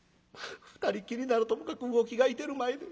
２人きりならともかく魚喜がいてる前で。